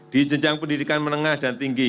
di jenjang pendidikan menengah dan tinggi